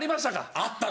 あったの！